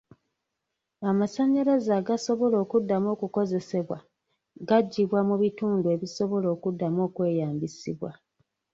Amasannyalaze agasobola okuddamu okukozesebwa gaggyibwa mu bintu ebisobola okuddamu okweyambisibwa.